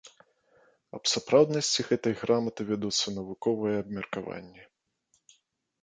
Аб сапраўднасці гэтай граматы вядуцца навуковыя абмеркаванні.